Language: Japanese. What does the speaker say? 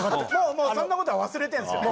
もうそんなことは忘れてんすよ